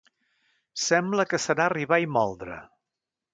Sembla que serà arribar i moldre.